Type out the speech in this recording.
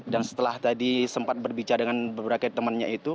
dan setelah tadi sempat berbicara dengan beberapa temannya itu